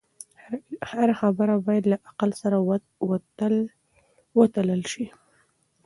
هره خبره باید له عقل سره وتلل شي.